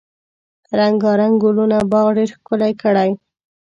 رنګارنګ ګلونه باغ ډیر ښکلی کړی.